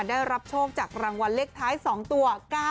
ได้รับโชคจากรางวัลเลขท้าย๒ตัว๙๙